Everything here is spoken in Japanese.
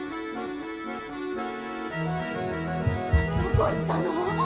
どこ行ったの！？